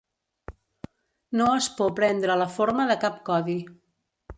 No es por prendre la forma de cap codi.